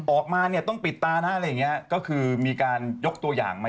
ออกมาเนี่ยต้องปิดตานะอะไรอย่างเงี้ยก็คือมีการยกตัวอย่างมา